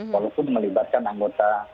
walaupun melibatkan anggota